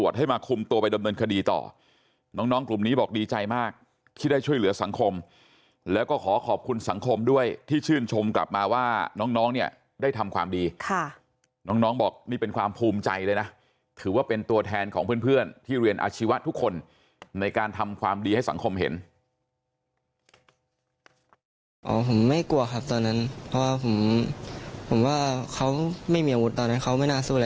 ใจมากที่ได้ช่วยเหลือสังคมแล้วก็ขอขอบคุณสังคมด้วยที่ชื่นชมกลับมาว่าน้องน้องเนี่ยได้ทำความดีค่ะน้องน้องบอกนี่เป็นความภูมิใจเลยน่ะถือว่าเป็นตัวแทนของเพื่อนเพื่อนที่เรียนอาชีวะทุกคนในการทำความดีให้สังคมเห็นอ๋อผมไม่กลัวครับตอนนั้นเพราะว่าผมผมว่าเขาไม่มีอาวุธตอนนั้นเขาไม่น่